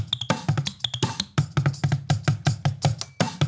เพื่อสนับสนุนที่สุดท้าย